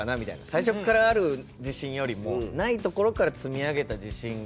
最初からある自信よりもないところから積み上げた自信が。